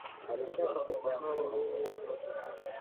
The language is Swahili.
alitaka kufahamu nini madhumuni